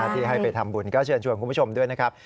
ที่ให้ไปทำบุญก็เชิญชวนคุณผู้ชมด้วยนะครับ